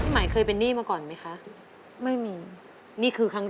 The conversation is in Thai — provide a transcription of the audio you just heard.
ให้บาทกับความถึง